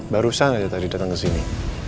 barusan aja tadi datang kesini